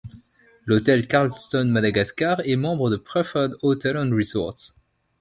L’hôtel Carlton Madagascar est membre de Preferred Hotels & Resorts.